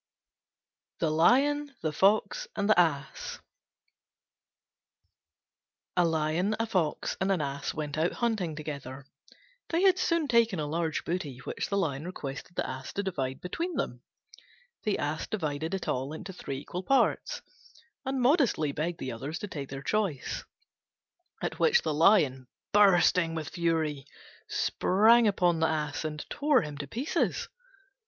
THE LION, THE FOX, AND THE ASS A Lion, a Fox, and an Ass went out hunting together. They had soon taken a large booty, which the Lion requested the Ass to divide between them. The Ass divided it all into three equal parts, and modestly begged the others to take their choice; at which the Lion, bursting with fury, sprang upon the Ass and tore him to pieces.